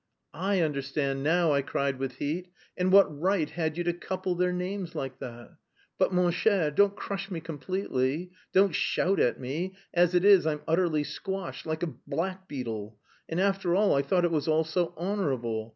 "I understand now!" I cried with heat. "And what right had you to couple their names like that?" "But, mon cher, don't crush me completely, don't shout at me; as it is I'm utterly squashed like... a black beetle. And, after all, I thought it was all so honourable.